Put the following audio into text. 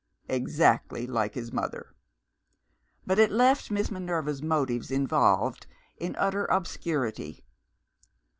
Exactly like his mother! But it left Miss Minerva's motives involved in utter obscurity.